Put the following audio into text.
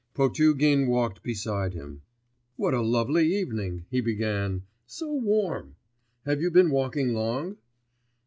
Potugin walked beside him. 'What a lovely evening!' he began, 'so warm! Have you been walking long?